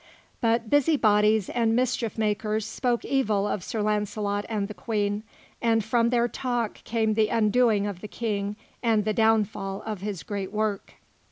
But busy bodies and mischief makers spoke evil of Sir Launcelot and the Queen, and from their talk came the undoing of the King and the downfall of his great work.